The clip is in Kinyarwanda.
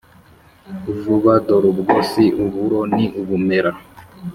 vuba, dorubwo si uburo ni ubumera!